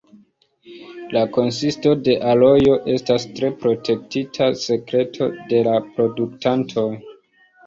La konsisto de alojo estas tre protektita sekreto de la produktantoj.